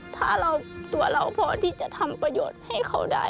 ถ้าตัวเราพอที่จะทำประโยชน์ให้เขาได้